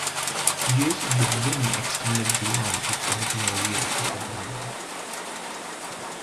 Use of the Vimy extended beyond its original use as a bomber.